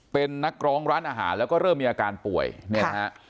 เป็นนักร้องร้านอาหารแล้วก็เริ่มมีอาการป่วยเนี่ยนะฮะ